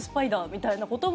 みたいなことも。